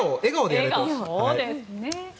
そうですね。